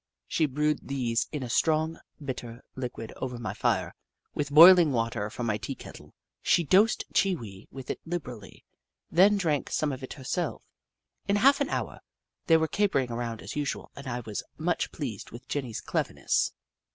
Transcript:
She brewed these into a strong, bitter liquid over my fire, with boiling water from my tea kettle. She dosed Chee Wee with it liberally, then drank some of it herself. In half an hour, they were capering around as usual, and I was much pleased with Jenny's cleverness.